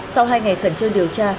sau hai ngày khẩn trương điều tra